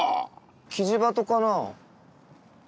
キジバトかなぁ。